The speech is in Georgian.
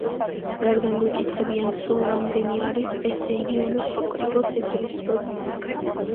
რადგან გვეკითხებიან სულ რამდენი არის, ესე იგი, უნდა შევკრიბოთ ეს რიცხვები.